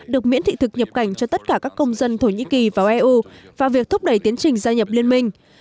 được miễn thị thực nhập cảnh cho tất cả các công dân thổ nhĩ kỳ vào eu và việc thúc đẩy tiến trình gia nhập liên minh